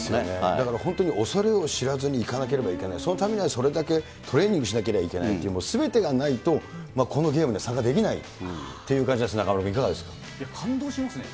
だから本当に恐れを知らずにいかなければいけない、それだけトレーニングしなければいけないという、すべてがないと、このゲームで差ができないという感じですね、中丸君、いかがです感動しますね。